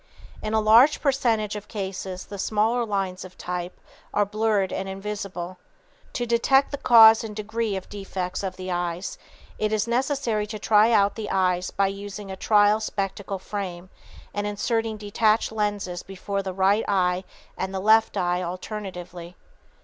In a large percentage of cases the smaller lines of type are blurred and invisible. To detect the cause and degree of defects of the eyes it is necessary to try out the eyes by using a trial spectacle frame and inserting detached lenses before the right eye and the left eye alternately.